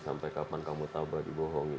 sampai kapan kamu tabah dibohongi